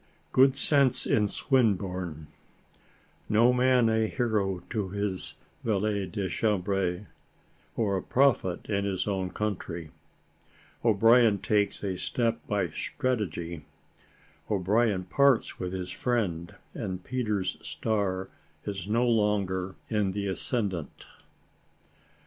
GOOD SENSE IN SWINBURNE NO MAN A HERO TO HIS "VALET DE CHAMBRE," OR A PROPHET IN HIS OWN COUNTRY O'BRIEN TAKES A STEP BY STRATEGY O'BRIEN PARTS WITH HIS FRIEND, AND PETER'S STAR IS NO LONGER IN THE ASCENDANT.